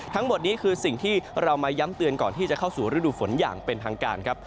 ทั้งหมดนี้คือสิ่งที่เรามาย้ำเตือนก่อนที่จะเข้าสู่ฤดูฝนอย่างเป็นทางการครับ